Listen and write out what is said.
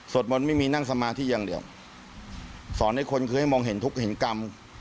มนต์ไม่มีนั่งสมาธิอย่างเดียวสอนให้คนเคยให้มองเห็นทุกข์เห็นกรรม